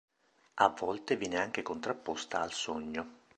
A volte viene anche contrapposta al sogno.